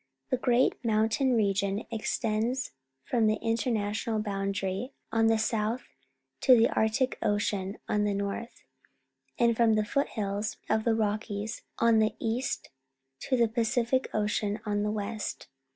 The Great Mountain Region extends from the international boundary on the south to the Arctic Ocean on the north, and from the 70 PUBLIC SCHOOL GEOGRAPHY foot hills of the Rockies on the east to the Pacific Ocean on the west.